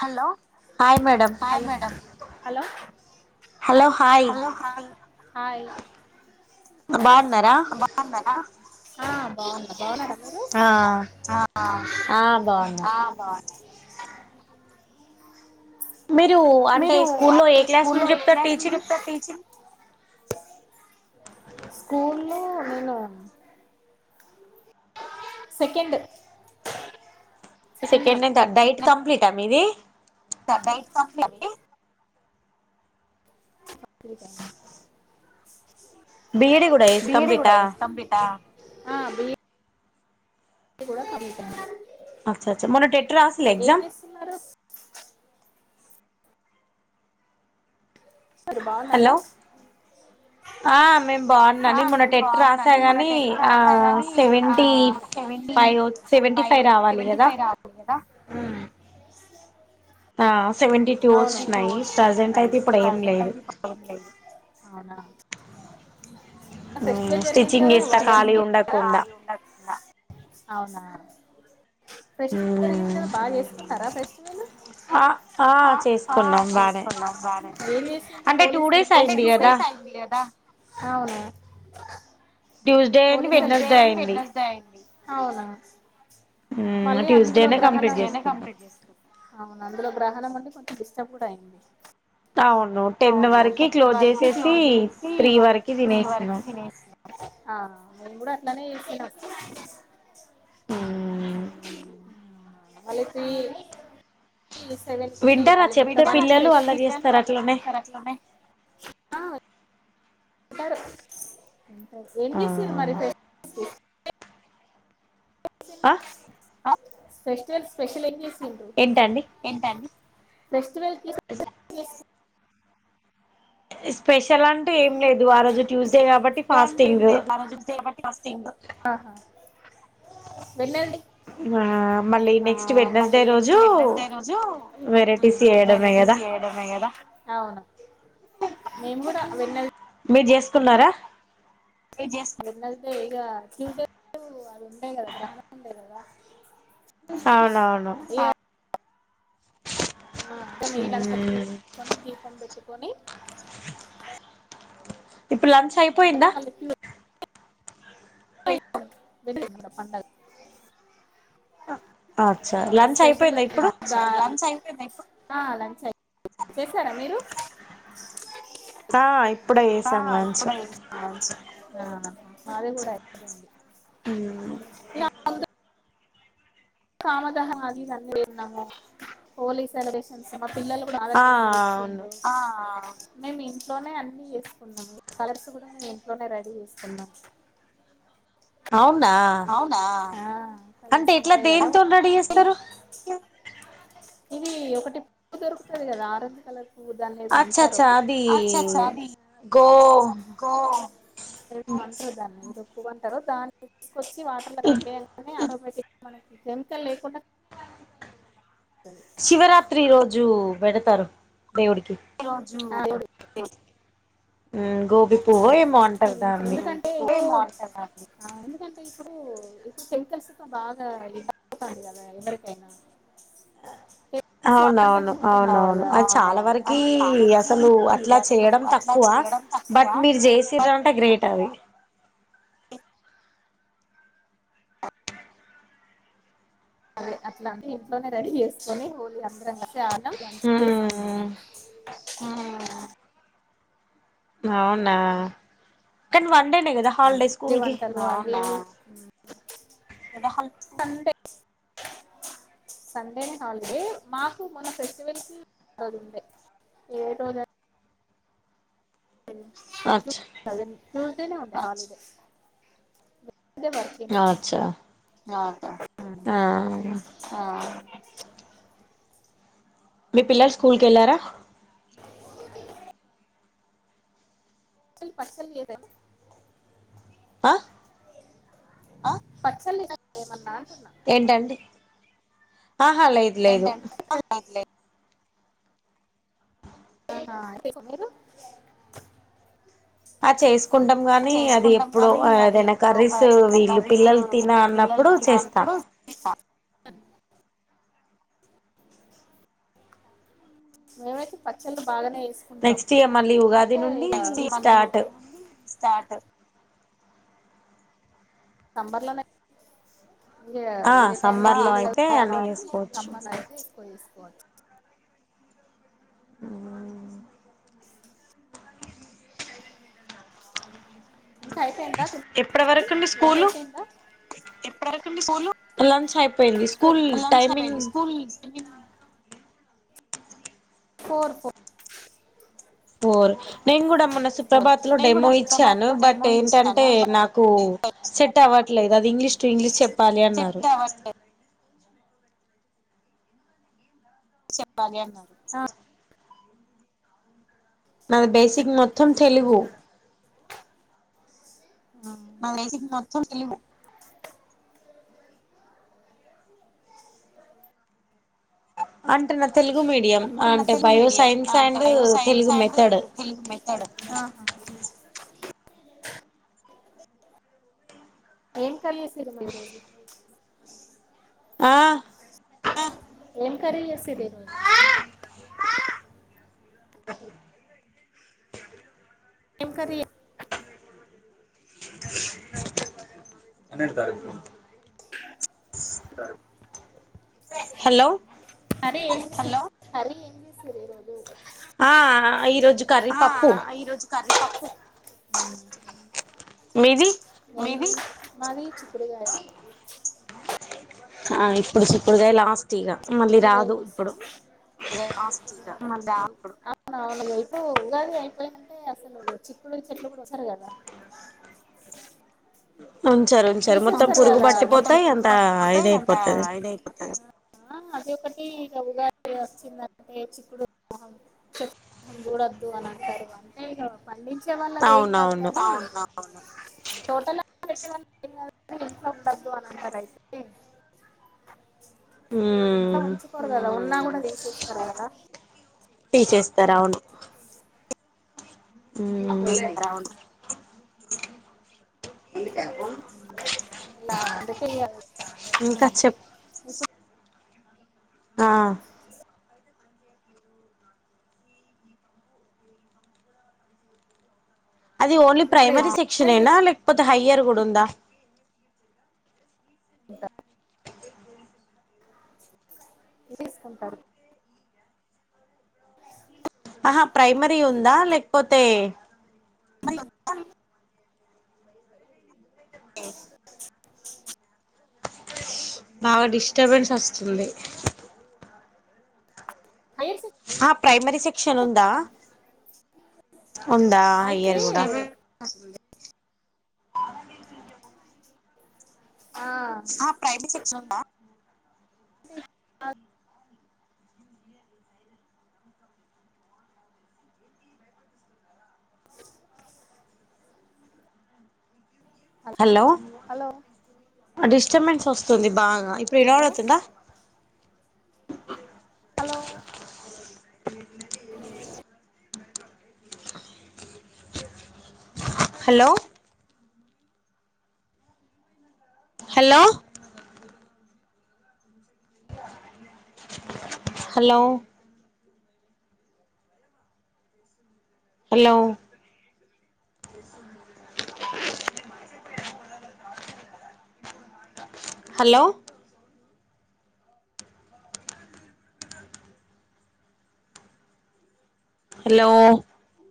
Hello hi madam hello hello hi hi బాగున్నార ఆ బాగున్నా బాగున్నారా మీరు ఆ ఆ బాగున్నా మీరు అంటే స్కూల్లో ఏ క్లాస్ నుంచి చెప్తారు టీచింగ్ స్కూలో నేను second second and third DIET complete ఆ మీది డా డైట్ కంప్లీట్ ఆ మీది ఎస్ బిఈడి కూడా ఎస్ కంప్లీటా ఆ ఆ బి బి ఈ డి కూడా కంప్లీట్ అండి అచ్చ అచ్చ మొన్న టెట్ రాసిల్లా ఎగ్జామ్ బాగున్నారా ఆ మేము బాగున్నాం నేను మొన్న టెట్ రాసా గాని ఆ సెవెంటీ ఫైవ్ సెవెంటీ ఫైవ్ రావాలి కదా ఊ ఆ అవును సెవెంటీ టూ వచ్చినాయిప్రజెంట్ అయితే ఏమీలేదు అవునా స్టిచ్చింగ్ చేస్తా ఖాళీ ఉండకుండా అవునా ఫ్రెష్రిగా జరిగింది కదా బాగా చేసుకున్నారా ఫ్రెష్ వేళ్ళు ఆ ఆ ఆ ఆ చేసుకున్నాం బానే అంటే టూ డేస్ అయింది కదా అవునా ట్యూస్డే అయింది వెడ్నెస్డే అయింది అవునా మళ్ళీ అందులో గ్రహనమ్ అవునా అందులో గ్ర మన [inaudible] కొంచెం డిస్టర్బ్ కూడా అయింది అవును టెన్ వరకి క్లోజ్ చేసేసి త్రీ వరకి తినేస్తున్నాం ఆ మేము కూడా అట్లానే చేస్తున్నాం మళ్ళీ ఫీ సెవెన్ కి మళ్ళి [unintelligible] ఆ టారు ఏం చేసిర్రు మరి పెస్ట్ కి ఆ ఆ పేస్టివల్ స్పెషల్ ఎంచేసిర్రు ఎంత అండి పెస్ట్ [unintelligible] స్పెషల్ ఆన్ ఏం లేదు ఆ రోజు ట్యూస్డే కాబట్టి ఫాస్టింగ్ వెళ్ళండి న అవును మేము కూడా వెన్న మీరు చేసుకున్నారా మీరు చేసుకున్నారా అవునవును లాంత దులుపుకొని దీపం పెట్టు కొని ఇప్పుడు లంచ్ అయిపోయిందా [unintelligible] పండగ ఆ అచ్చా లంచ్ అయిపోయిందా ఇప్పుడు ఆహ్ లంచ్ అయి చేసారా మీరు ఆ ఇప్పుడే యేసాం లంచ్ ఆ మాది కూడా అయిపోయింది ఉహ్ అబ్ కామదహ అది ఇది అని విన్నాము హోలీ సెలబ్రేషన్స్ మా పిల్లలు కూడా నా దగ్గరికి వచ్చిండ్రు మేం ఇంట్లోనే అన్ని చేసుకున్నాం కలర్స్ కూడా మేం ఇంట్లోనే రెడీ చేసుకున్నాం అవునా ఆహ్ కలర్స్ అన్ దేంతోనీ రెడీ చేస్తరు ఒకటిప్ దొరుకుతుంది కదా ఆరెంజ్ కాలార్ది దాన్ని ఏదో అంటరు అచ్చచ్చ అది కో ఏదో అంటారు దాన్ని ప్పువంటరు దానికి వచ్చి వాటర్లో కల్పయంగానే ఆటోమేటిక్ మనకి కేమికల్ లేకుండా శివరాత్రి రోజు పెడతారు దేవుడికి చు [unintelligible] హ్మ్ ఆ ఎందుకంటే ఎందుకంటే ఇప్పుడు ఇప్పుడు కెమికల్స్ తో బాగా ఇది అవుతుంది కదా ఎవరికైనా అవునవును అవునవును అది చాలా వరకి అసలు అట్లా చేయడం తక్కువ బట్ మీరు చేసింర్రూ అంటే గ్రే కేటవి అదే అట్లా అంటే ఇంట్లోనే రెడీ చేసుకొని హోలీ అందరంగాల్సి అడినం చేసుకున్నాం ఆ అవునా ంత సండేనే హాలిడే, ఏదో లే అే అ చ అదే [inaudible] అ ఆ మీ పిల్లలు స్కూల్ కెళ్ళారా? పల్ పట్టల్ ఏద అ ఆ పట్సల్ద ఏమన్నా ఏంటండి? ఆహా లేదు లేదు ఆహా మీరు ఆ చేసుకుంటాం గాని అది ఎప్పుడు ఏదైనా కర్రీస్ వీళ్ళు పిల్లలు తిన అన్నప్పుడు చేస్తా సను మేమైతే పచ్చళ్ళు బాగానే ఏసుకుంటాం సమ్మర్ లోనే ఇగ వేరే టైమ్ [unintelligible] వచ్చ ఉమ్ ఇంకా అయిపోయిందా వంట ఐపోయిందా? ఎప్పుడ లంచ్ అయిపోయింది స్కూల్ టైమింగ్ అ ఫోర్ కు ఫోర్ నేను కూడా మొన్న సుప్రభాత్ లో డెమో ఇచ్చాను, బట్ ఏంటంటే నాకు సెట్ అవ్వట్లేదు, అది ఇంగ్లీష్ టు ఇంగ్లీష్ చెప్పాలి అన్నారు. ఆ నాది బేసిక్ మొత్తం తెలుగు. నా వేసి వచ్చ తెలివ అన్న తెలుగు మీడియం అంటేయో సైన్స్ అండ్ తెలుగు మెథడ్ ఏ కల్రమ [unintelligible] అ ఆ ఏం కర్రీ చేసిండ్రు ఈరోజు ఏం కర్రీ ఎన్నతారు [inaudible] స హలో కర్రీ ఏం చేస్తుర్రు ఈరోజు ఆ ఈరోోజు కర్రీపప్పు మీది మాది చిక్కుడుకాయ ఈరోజు ఆ ఇప్పుడు సప్పుడుగా లాస్ట్ పటీగా మళ్ళీ రాదు ఇప్పుడు అవుళ అయిపోయి ఉగాది అయిపోయి అంటే అసలు ను చిక్కులు చెట్లు కూడా ఉన్సరు కదా ఉంచారు ఉంచారు మొత్తం పురుగు పట్టిపోతాయి అంత ఇద అయిపోతుంది ఆ అది ఒకటి ఇక ఉగాది వచ్చిందంటే చిక్కుడు మహం చ మహం చూడొద్దు అని అంటారు అంటే ఇక పండి పచ్చ వల్ల ఏం కాదు అవునవును టోటల్ ఇలాబ్దు ఇంట్లో వుండదు ఇట్లా ఉంచుకోరు కదా ఉన్నా కూడా తీసేస్తారా కదా టీ చేేస్తారా అవును ఇంతకీ ఆ అది ఓన్లీ ప్రైమరీ సెక్షన్ అయినా లేకపోతే హైయ్యర్ కూడా ఉందా ఇకా ఎసుకుంటారు ఆహా ప్రైమరీ ఉందా లేక్ లేకపోతే మరి అ బాగా డిస్టర్బెన్స్ వస్తుంది ఆ ప్రైమరీ సెక్షన్ ఉందా ఉందా హయ్యర్ కూడా అ ప్రైవేట్ సెక్టర్ ఉందా హలో డిస్టర్బెన్స్ వస్తుంది బాగా ఇప్పుడు వినపడుతుందా hello hello hello hello hello hello hello